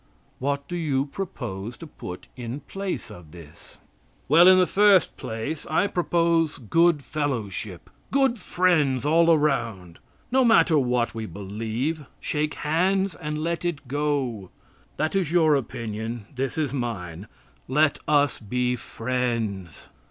"What do you propose to put in place of this?" Well, in the first place, I propose good fellowship good friends all around. No matter what we believe, shake hands and let it go. That is your opinion. This is mine: "Let us be friends."